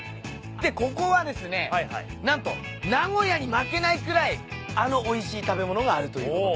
でここはですね何と名古屋に負けないくらいあのおいしい食べ物があるということで。